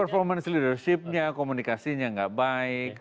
performance leadership nya komunikasinya nggak baik